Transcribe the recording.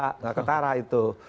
tidak ketara itu